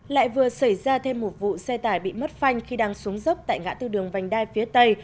lại vừa xảy ra thêm một vụ xe tải bị mất phanh khi đang xuống dốc tại ngã tư đường vành đai phía tây